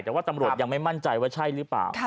แต่ว่าตำรวจยังไม่มั่นใจว่าใช่หรือเปล่า